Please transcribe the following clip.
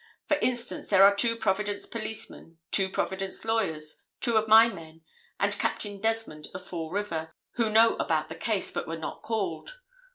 For instance, there are two Providence policemen, two Providence lawyers, two of my men, and Captain Desmond of Fall River, who know about this case, but were not called.